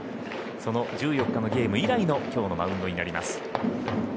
その１４日のゲーム以来の今日のマウンドです。